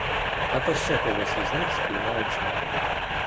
А то ще когось із них спіймають з нею.